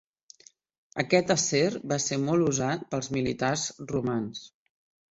Aquest acer va ser molt usat pels militars romans.